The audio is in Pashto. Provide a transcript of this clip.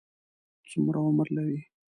څومره عمر لري؟